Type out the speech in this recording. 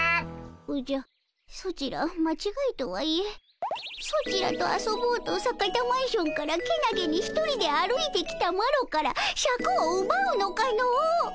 おじゃソチらまちがいとはいえソチらと遊ぼうと坂田マンションからけなげに一人で歩いてきたマロからシャクをうばうのかの。